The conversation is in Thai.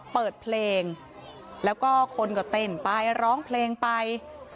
เปิดเพลงแล้วก็คนก็เต้นไปร้องเพลงไป